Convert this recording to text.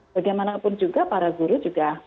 bagaimanapun juga para guru juga